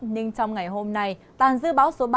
nhưng trong ngày hôm nay tàn dư bão số ba